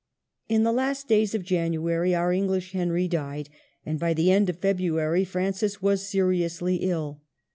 In the last days of January our English Henry died, and by the end of February Francis was seriously ill.